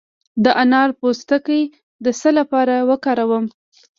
د انار پوستکی د څه لپاره وکاروم؟